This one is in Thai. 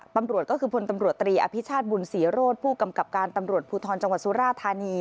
ตำรวจก็คือพตำรวจตรีอบุญศรีโฆษธรผู้กำกับการปุธรจสุฬาธานี